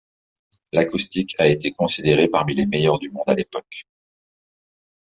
L'acoustique ont été considérés parmi les meilleurs du monde à l'époque.